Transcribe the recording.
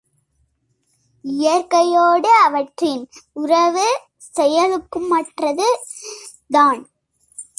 இயற்கையோடு அவற்றின் உறவு, செயலூக்கமற்றது தான்.